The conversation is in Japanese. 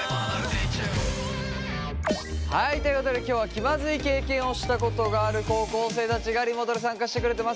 はいということで今日は気まずい経験をしたことがある高校生たちがリモートで参加してくれてます。